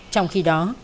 trong khi đó